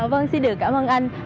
vâng xin được cảm ơn anh